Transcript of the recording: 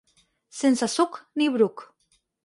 Sense suc ni bruc.